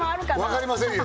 分かりませんよ